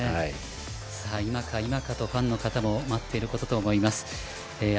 今か今かとファンの方も待っていることと思います。